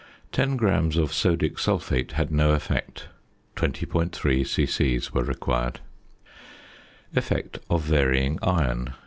Ten grams of sodic sulphate had no effect; 20.3 c.c. were required. ~Effect of Varying Iron.